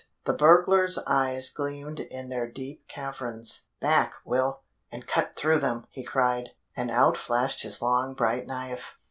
The burglar's eyes gleamed in their deep caverns, "Back, Will and cut through them," he cried and out flashed his long bright knife.